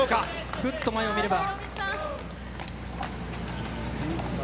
ふっと前を見れば。